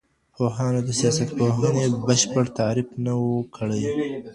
پوهانو د سياستپوهني بشپړ تعريف نه و کړی.